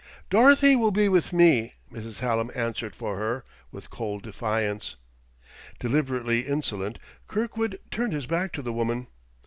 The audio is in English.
"Dorothy will be with me," Mrs. Hallam answered for her, with cold defiance. Deliberately insolent, Kirkwood turned his back to the woman.